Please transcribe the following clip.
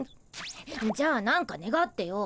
じゃあ何かねがってよ。